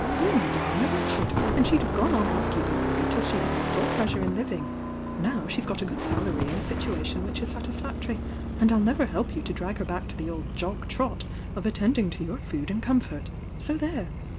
You made Diana wretched— and she'd have gone on housekeeping for you till she had lost all plewuro in living,— now she's got a good salary and a situa tion which 18 satisfactory, and I'll never help you to drag her back to the old j6g trot of attending to your food and comfort. So there!